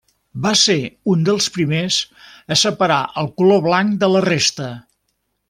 Va ser un dels primers a separar el color blanc de la resta.